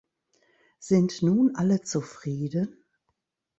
Sind nun alle zufrieden?